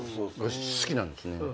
好きなんですね。